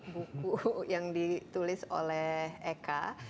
buku yang ditulis oleh eka